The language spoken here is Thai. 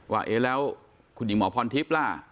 ว่าแล้วคุณหญิงหมอพรทิศล่ะ